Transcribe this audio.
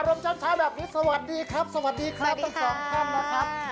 รมเช้าแบบนี้สวัสดีครับสวัสดีครับทั้งสองท่านนะครับ